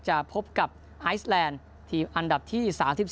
จะพบกับไอซแลนด์ทีมอันดับที่๓๔